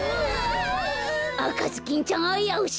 あかずきんちゃんあやうし。